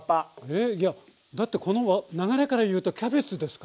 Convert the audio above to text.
えいやだってこの流れから言うとキャベツですか？